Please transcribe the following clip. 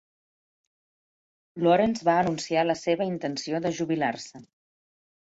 Lawrence va anunciar la seva intenció de jubilar-se.